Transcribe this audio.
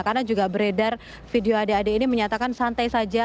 karena juga beredar video adik adik ini menyatakan santai saja